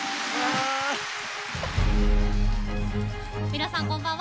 皆さん、こんばんは。